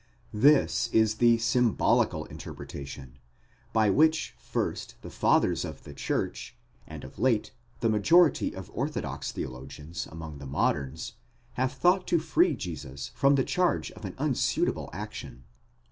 This is the symbolical interpretation, by which first the fathers of the church, and of late the majority of orthodox theologians among the moderns, have thought to free Jesus from the charge of an unsuitable action.